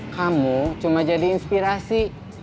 kamu cuma jadi inspirasi